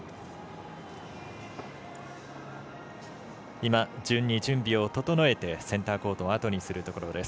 今、順に準備を整えてセンターコートをあとにするところです。